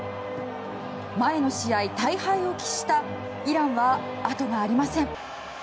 前の試合大敗を喫したイランはあとがありません。